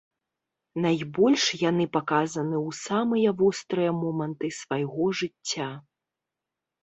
Найбольш яны паказаны ў самыя вострыя моманты свайго жыцця.